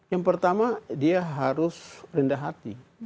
yang pertama dia harus rendah hati